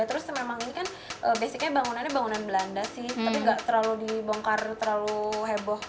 terus memang ini kan basicnya bangunannya bangunan belanda sih tapi nggak terlalu dibongkar terlalu heboh